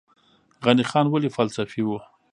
غني خان ولې فلسفي و؟